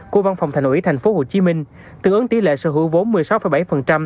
của văn phòng thành ủy tp hcm tương ứng tỷ lệ sở hữu vốn một mươi sáu bảy